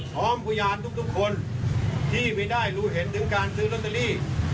พยานทุกคนที่ไม่ได้รู้เห็นถึงการซื้อลอตเตอรี่